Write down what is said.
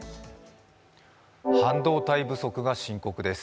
半導体不足が深刻です。